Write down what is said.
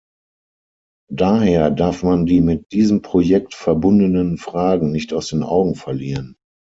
Daher darf man die mit diesem Projekt verbundenen Fragen nicht aus den Augen verlieren.